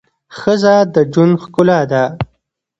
ښځه د ژوند ښکلا ده.